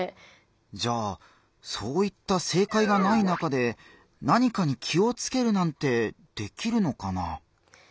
じゃあそういった正解がない中で何かに気をつけるなんてできるのかな？